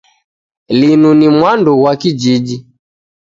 Linu ni mwandu kwa kijiji